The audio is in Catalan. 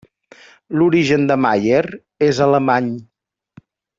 L'origen de Maier és alemany.